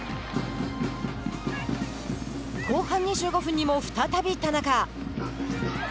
後半２５分にも再び田中。